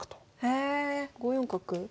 へえ５四角？